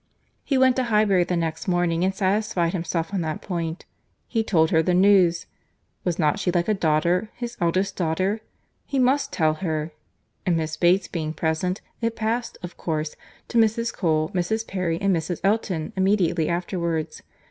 He went to Highbury the next morning, and satisfied himself on that point. He told her the news. Was not she like a daughter, his eldest daughter?—he must tell her; and Miss Bates being present, it passed, of course, to Mrs. Cole, Mrs. Perry, and Mrs. Elton, immediately afterwards.